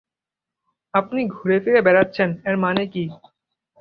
আপনি ঘুরেফিরে বেড়াচ্ছেন এর মানে কী?